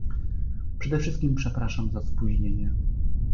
Przede wszystkim przepraszam za spóźnienie